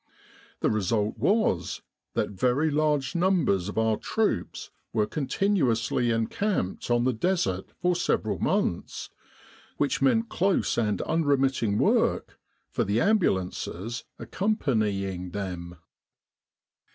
The result was that very large numbers of our troops were continu ously encamped on the Desert for several months, which meant close and unremitting work for the Am bulances accompanying them.